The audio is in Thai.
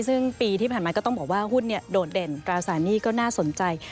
ซึ่งปีที่ผ่านมาก็ต้องบอกว่าหุ้นโดดเด่นตราสารหนี้ก็น่าสนใจ